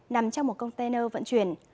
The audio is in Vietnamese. nằm trong một container vận chuyển